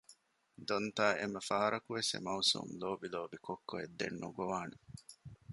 ދޮންތައަށް އެންމެ ފަހަރަކުވެސް އެ މައުސޫމު ލޮބިލޯބި ކޮއްކޮއެއް ދެން ނުގޮވާނެ